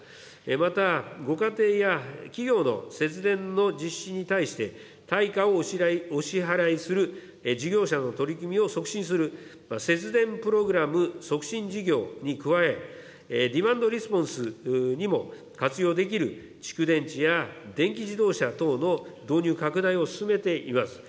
また、ご家庭や企業の節電の実施に対して、対価をお支払いする事業者の取り組みを促進する節電プログラム促進事業に加え、ディマンドレスポンスにも活用できる蓄電池や電気自動車等の投入拡大を進めています。